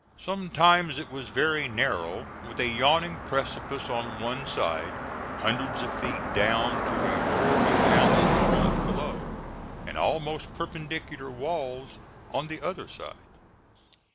Sometimes it was very narrow with a yawning precipice on one side, hundreds of feet down to a roaring mountain torrent below, and almost perpendicular walls on the other side.